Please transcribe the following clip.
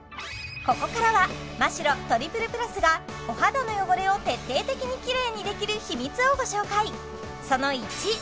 ここからはマ・シロトリプルプラスがお肌の汚れを徹底的にキレイにできる秘密をご紹介！